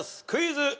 クイズ。